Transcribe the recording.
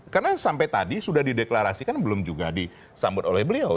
karena sampai tadi sudah dideklarasikan belum juga disambut oleh beliau